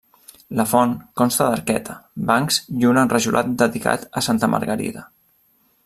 La font consta d'arqueta, bancs i un enrajolat dedicat a santa Margarida.